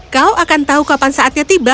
kau akan tahu kapan saatnya tiba